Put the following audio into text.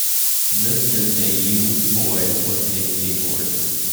This is a you boy with a skateboard